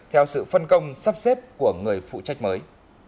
theo sự phân công sắp xếp của người phụ trách mới